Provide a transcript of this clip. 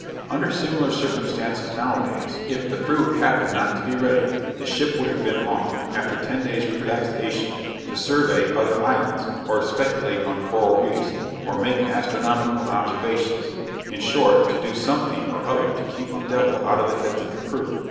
Under similar circumstances nowadays, if the fruit happened not to be ready, the ship would have been off, after ten days' relaxation, to survey other islands, or speculate on coral reefs, or make astronomical observations; in short, to do something or other to keep the devil out of the heads of the crew.'